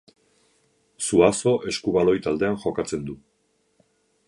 Zuazo eskubaloi taldean jokatzen du.